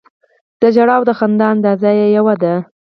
د ژړا او د خندا انداز یې یو دی.